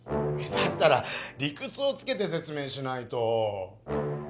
だったら理くつをつけてせつ明しないと！